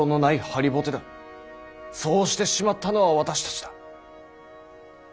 そうしてしまったのは私たちだ。